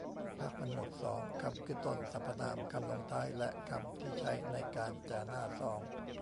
ภาคผนวกสอง คำขึ้นต้น สรรพนาม คำลงท้าย และคำที่ใช้ในการจ่าหน้าซอง